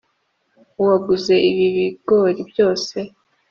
waguze ibi bigori byose?